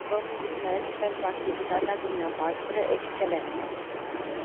Vă mulțumesc pentru activitatea dvs.. excelentă.